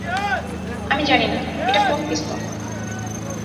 আমি জানি না, এটা কোন পিস্তল।